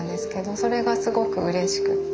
それがすごくうれしくって。